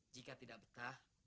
jika tidak betah